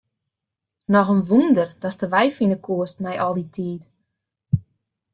Noch in wûnder datst de wei fine koest nei al dy tiid.